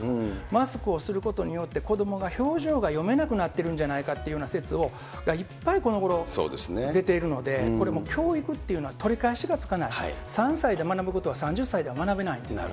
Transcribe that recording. マスクをすることによって、子どもが表情が読めなくなってるんじゃないかというせつを、いっぱいこのごろ出ているので、これも教育っていうのは、取り返しがつかない、３歳で学ぶことは３０歳で学べないです。